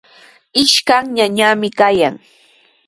Ishkan ñañami kayan.